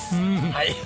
はい。